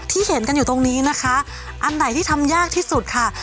เห็นกันอยู่ตรงนี้นะคะอันไหนที่ทำยากที่สุดค่ะ